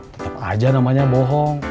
tetep aja namanya bohong